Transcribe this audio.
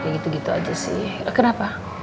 kayak gitu gitu aja sih kenapa